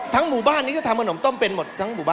หมู่บ้านนี้ก็ทำขนมต้มเป็นหมดทั้งหมู่บ้าน